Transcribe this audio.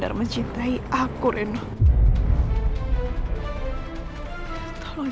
lama tidak pernah kau koordinir restoran